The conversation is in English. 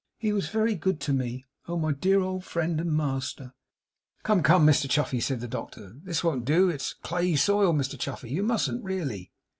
'He was very good to me. Oh, my dear old friend and master!' 'Come, come, Mr Chuffey,' said the doctor, 'this won't do; it's a clayey soil, Mr Chuffey. You mustn't, really.